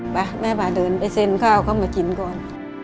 แม่พาเดินไปเซ็นข้าวเข้ามากินก่อน